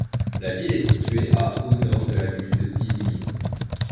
La ville est située à au nord de la ville de Tizimin.